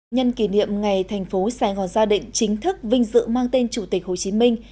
nhân kỷ niệm ngày thành phố sài gòn gia đình chính thức vinh dự mang tên chủ tịch hồ chí minh